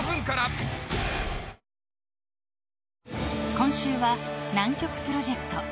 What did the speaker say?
今週は南極プロジェクト。